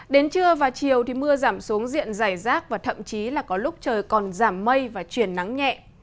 đến trưa và chiều mưa giảm xuống diện dày rác và thậm chí có lúc trời còn giảm mây và chuyển nắng nhẹ